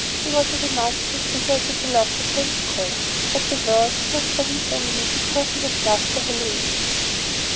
He was a remarkable figure as a philosopher and scholar; but the world cares for him only because he was loved by Heloise.